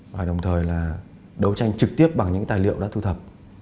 và đồng thời là đấu tranh trực tiếp bằng những tài liệu đã thu thập